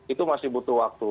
itu masih butuh waktu